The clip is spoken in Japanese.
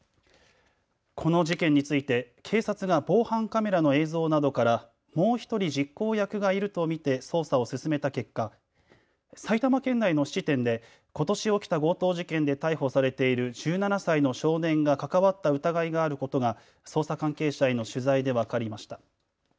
この事件について警察が防犯カメラの映像などからもう１人実行役がいると見て捜査を進めた結果、埼玉県内の質店でことし起きた強盗事件で逮捕されている１７歳の少年が関わった疑いがあることが捜査関係者への取材で分かりました。